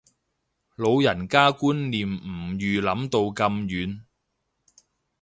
老人家觀念唔預諗到咁遠